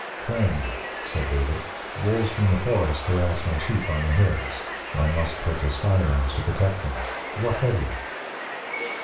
"Friend," said David, "wolves from the forest harass my sheep on the hills. I must purchase firearms to protect them. What have you?"